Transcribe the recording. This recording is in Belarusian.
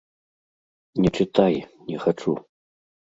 Не чытай, не хачу.